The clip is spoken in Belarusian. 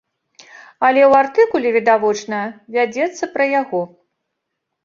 Але ў артыкуле відавочна вядзецца пра яго.